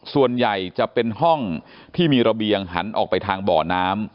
ส่วนใหญ่จะเป็นห้องที่มีระเบียงหันออกไปทางบ่อน้ำ